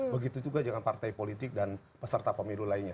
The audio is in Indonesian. begitu juga dengan partai politik dan peserta pemilu lainnya